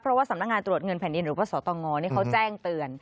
เพราะว่าสำนักงานตรวจเงินแผ่นดินหรือว่าสตงเขาแจ้งเตือน